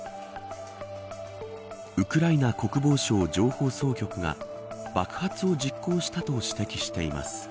ウクライナ国防省情報総局が爆発を実行したと指摘しています。